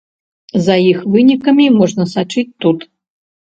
За іх вынікамі можна сачыць тут.